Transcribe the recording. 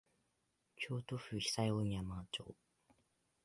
京都府久御山町